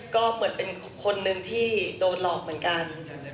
ก็เหมือนเป็นคนนึงที่โดนหลอกเหมือนกัน